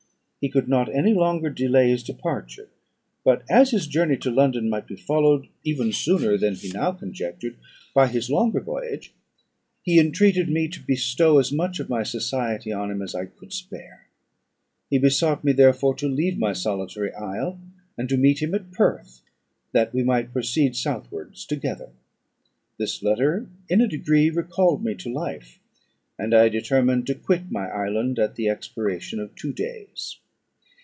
He could not any longer delay his departure; but as his journey to London might be followed, even sooner than he now conjectured, by his longer voyage, he entreated me to bestow as much of my society on him as I could spare. He besought me, therefore, to leave my solitary isle, and to meet him at Perth, that we might proceed southwards together. This letter in a degree recalled me to life, and I determined to quit my island at the expiration of two days.